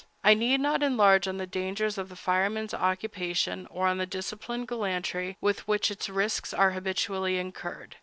I need not enlarge on the dangers of the fireman's occupation, or on the disciplined gallantry with which its risks are habitually incurred.